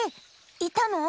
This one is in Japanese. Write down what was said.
いたの？